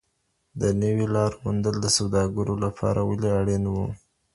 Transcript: د نویو لارو موندل د سوداګرو لپاره ولي اړین وو؟